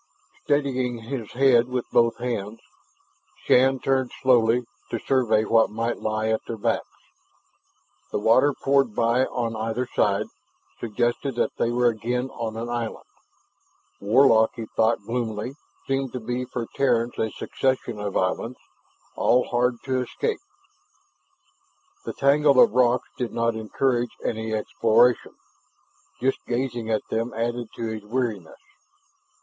Steadying his head with both hands, Shann turned slowly, to survey what might lie at their backs. The water, pouring by on either side, suggested that they were again on an island. Warlock, he thought gloomily, seemed to be for Terrans a succession of islands, all hard to escape. The tangle of rocks did not encourage any exploration. Just gazing at them added to his weariness.